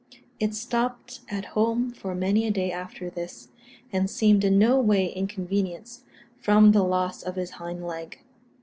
It stopped at home for many a day after this, and seemed in no way inconvenienced from the loss of its hind leg.